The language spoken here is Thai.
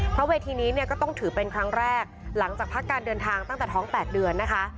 เพราะเวทีนี้เนี่ยก็ต้องถือเป็นครั้งแรกหลังจากพักการเดินทางตั้งแต่ท้อง๘เดือนนะคะ